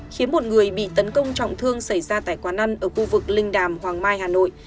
khiến một người bị tấn công trọng thương xảy ra tại quán ăn ở khu vực linh đàm hoàng mai hà nội